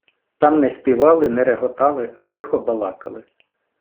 Там не співали, не реготали, а тихо балакали.